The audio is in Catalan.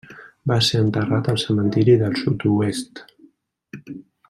Va ser enterrat al Cementiri del Sud-oest.